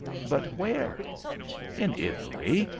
"But where?" "In Italy.